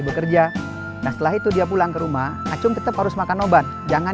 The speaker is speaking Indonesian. bukan jualan terudung kenapa kamu kenal riza